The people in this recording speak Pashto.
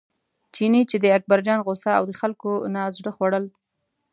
چیني چې د اکبرجان غوسه او د خلکو نه زړه خوړل.